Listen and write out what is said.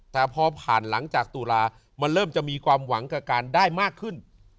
แต่พอผ่านหลังจากตุลามันเริ่มจะมีความหวังกับการได้มากขึ้น